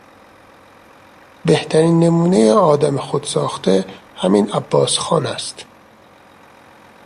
بهترین نمونهی آدم خودساخته همین عباسخان است.